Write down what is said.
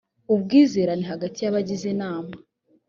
ubwizerane hagati y abagize inama